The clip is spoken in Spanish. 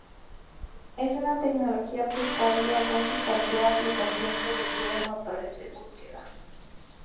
Es una tecnología aplicable a casi cualquier aplicación que requiere motores de búsqueda.